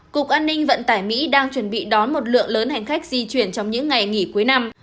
cục an ninh vận tải mỹ đang chuẩn bị đón một lượng lớn hành khách di chuyển trong những ngày nghỉ cuối năm